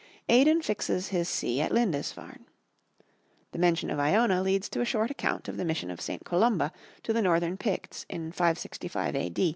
Aidan fixes his see at Lindisfarne. The mention of Iona leads to a short account of the mission of St. Columba to the Northern Picts in 565 A.